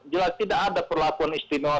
jelas tidak ada perlakuan istimewa